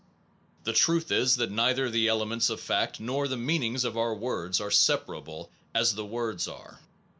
The truth is that neither the elements of fact nor the mean ings of our words are separable as the words are.